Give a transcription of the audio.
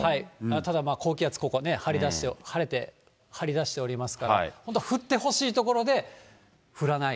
ただ、高気圧、ここね、張り出して、晴れて、張り出しておりますから、本当、降ってほしい所で降らない。